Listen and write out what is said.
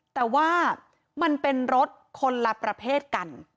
แต่ว่ามันเป็นรถคนละประเภทกัน